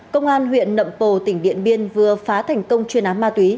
công an huyện nậm pồ tỉnh điện biên vừa phá thành công chuyên án ma túy